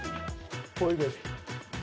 濃いです。